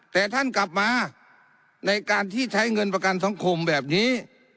แต่ท่านกลับมาในการที่ใช้เงินประกันสังคมแบบนี้